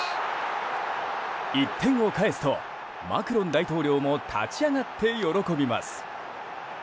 １点を返すとマクロン大統領も立ち上がって喜びます。